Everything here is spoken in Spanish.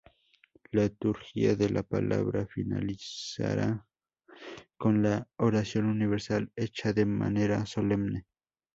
La Liturgia de la Palabra finaliza con la "Oración universal", hecha de manera solemne.